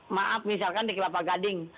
maaf misalkan di kelapa gading